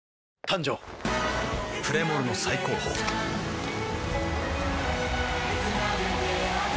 誕生プレモルの最高峰プシュッ！